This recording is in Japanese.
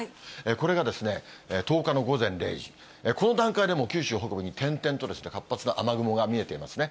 これが１０日の午前０時、この段階でも九州北部に点々と活発な雨雲が見えていますね。